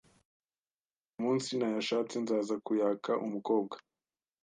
umunsi nayashatse nzaza kuyaka Umukobwa